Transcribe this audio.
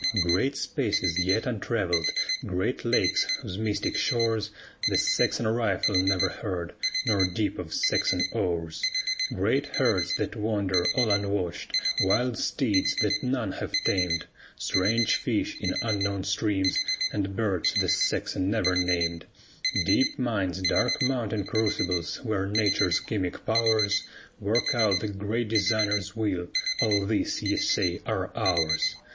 Great spaces yet untravelled, great lakes whose mystic shores The Saxon rifle never heard, nor dip of Saxon oars; Great herds that wander all unwatched, wild steeds that none have tamed, Strange fish in unknown streams, and birds the Saxon never named; Deep mines, dark mountain crucibles, where Nature's chemic powers Work out the Great Designer's will; all these ye say are ours!